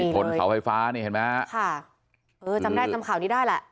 ทนเสาไฟฟ้านี่เห็นมั้ยจำได้จำข่าวนี้ได้แล้ว